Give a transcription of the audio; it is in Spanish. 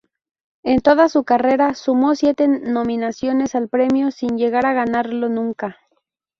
En toda su carrera, sumó siete nominaciones al premio, sin llegar a ganarlo nunca.